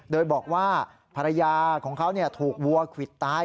โดยบอกว่าภรรยาของเขาถูกวัวควิดตาย